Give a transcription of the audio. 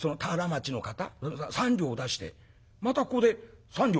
３両出してまたここで３両。